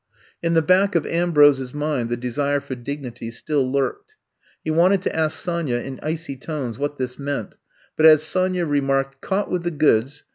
'' In the back of Ambrose *s mind the desire for dignity still lurked. He wanted to ask Sonya in icy tones what this meant, but as Sonya remarked, Caught with the goods!"